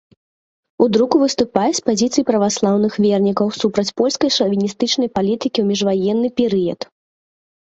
У друку выступае з пазіцый праваслаўных вернікаў, супраць польскай шавіністычнай палітыкі ў міжваенны перыяд.